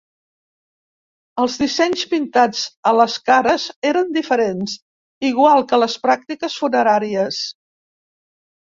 Els dissenys pintats a les cares eren diferents, igual que les pràctiques funeràries.